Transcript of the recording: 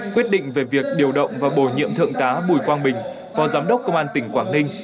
quyết định về việc điều động và bồi nhiệm thượng tá bùi quang bình phó giám đốc công an tỉnh quảng ninh